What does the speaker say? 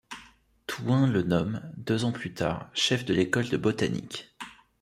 Thouin le nomme, deux ans plus tard, chef de l’école de botanique.